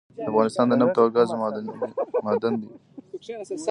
دافغانستان دنفت او ګازو معادن